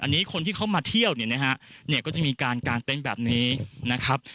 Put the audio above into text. อันนี้คนที่เขามาเที่ยวเนี่ยนะฮะเนี่ยก็จะมีการกางเต็นต์แบบนี้นะครับ